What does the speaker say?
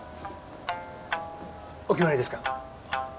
お決まりですか？